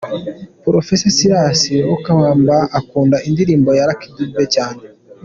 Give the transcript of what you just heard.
Professor Silas Lwakabamba akunda indirimbo za Lucky Dube cyane.